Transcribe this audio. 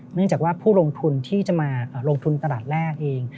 เนื่องจากว่าผู้ลงทุนที่จะมาลงทุนตลาดแรกเอง